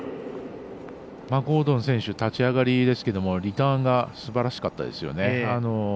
ゴードン選手立ち上がりですがリターンがすばらしかったですよね。